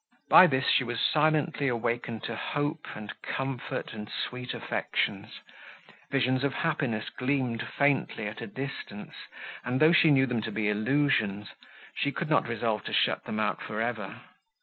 By this she was silently awakened to hope and comfort and sweet affections; visions of happiness gleamed faintly at a distance, and, though she knew them to be illusions, she could not resolve to shut them out for ever.